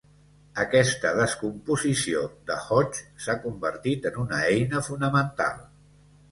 Aquesta "descomposició de Hodge" s'ha convertit en una eina fonamental.